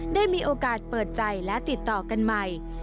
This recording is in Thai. ได้มีโอกาสเปิดใจและติดต่อกันใหม่